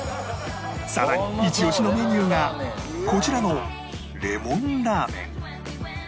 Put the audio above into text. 更にイチ押しのメニューがこちらのれもんらーめん